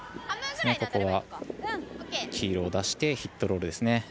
ここは黄色を出してヒットロールですね。